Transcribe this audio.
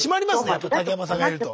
やっぱ竹山さんがいると。